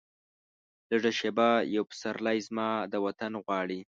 لږه شیبه یو پسرلی، زما د وطن غواړي